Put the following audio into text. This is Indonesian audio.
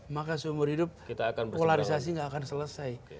maka seumur hidup polarisasi tidak akan selesai